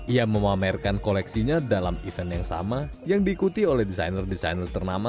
ia memamerkan koleksinya dalam event yang sama yang diikuti oleh desainer desainer ternama